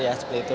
ya seperti itu